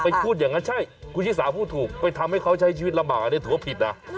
พูดอย่างนั้นใช่คุณชิสาพูดถูกไปทำให้เขาใช้ชีวิตลำบากอันนี้ถือว่าผิดนะ